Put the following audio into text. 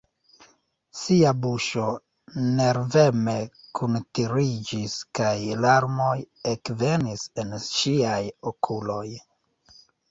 Sia buŝo nerveme kuntiriĝis kaj larmoj ekvenis en ŝiaj okuloj.